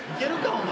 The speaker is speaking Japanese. お前。